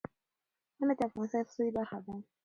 منی د افغانستان د اقتصاد برخه ده.